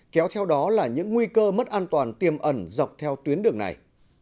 kéo theo đó là những nguy cơ mất an toàn tiêm ẩn dọc theo tuyến đường này